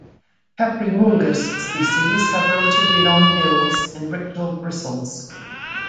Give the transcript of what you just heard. "Caprimulgus" species have relatively long bills and rictal bristles.